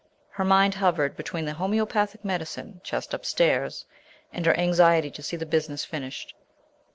Her mind hovered between the homeopathic medicine chest upstairs and her anxiety to see the business finished.